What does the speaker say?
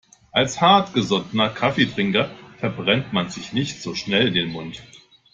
Als hartgesottener Kaffeetrinker verbrennt man sich nicht so schnell den Mund.